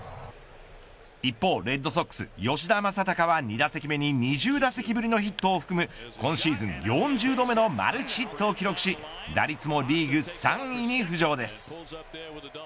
一方レッドソックス吉田正尚は２打席目に２０打席ぶりのヒットを含む今シーズン４０度目のマルチヒットを記録し打率もリーグ３位に浮上です。